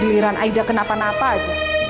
giliran aida kenapa napa aja